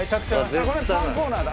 これパンコーナーだ。